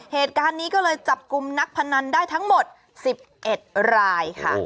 เหตุการณ์นี้ก็เลยจับกลุ่มนักพนันได้ทั้งหมด๑๑รายค่ะ